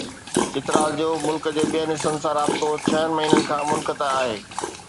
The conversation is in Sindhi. چترال جو ملڪ جي ٻين حصن سان رابطو ڇهن مهينن کان منقطع آهي.